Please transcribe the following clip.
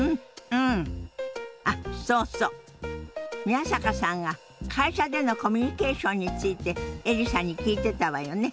宮坂さんが会社でのコミュニケーションについてエリさんに聞いてたわよね。